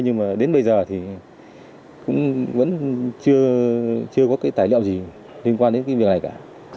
nhưng mà đến bây giờ thì cũng vẫn chưa có cái tài liệu gì liên quan đến cái việc này cả